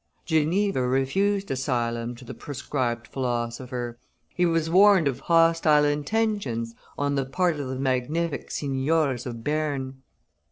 Geneva refused asylum to the proscribed philosopher; he was warned of hostile intentions on the part of the magnific signiors of Berne.